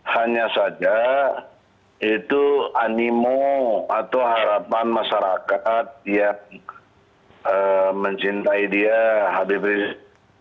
hanya saja itu animo atau harapan masyarakat yang mencintai dia habib rizik